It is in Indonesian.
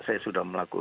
saya sudah melakukan itu